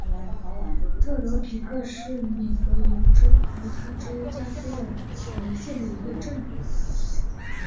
特罗皮克是美国犹他州加菲尔德县的一个镇。